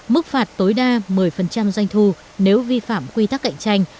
mức phạt tối đa một mươi doanh thu nếu vi phạm quy tắc cạnh tranh